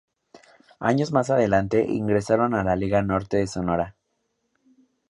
Años más adelante ingresaron a la Liga Norte de Sonora.